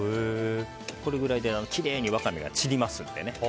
これぐらいで、きれいにワカメが散りますのでね。